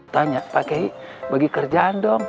tanya pak kiai bagi kerjaan dong